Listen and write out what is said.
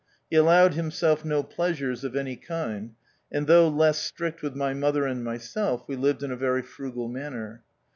He allowed himself no pleasures of any kind, and though less strict with my mother and myself, we lived in a very frugal manner.